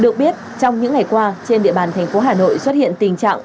được biết trong những ngày qua trên địa bàn thành phố hà nội xuất hiện tình trạng